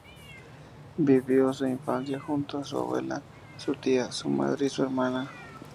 Vivió su infancia junto a su abuela su tía, su madre y su hermana.